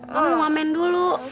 mama mau ngamen dulu